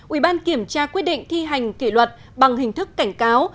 ủy ban kiểm tra quyết định thi hành kỷ luật bằng hình thức cảnh cáo